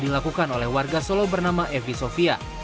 dilakukan oleh warga solo bernama evi sofia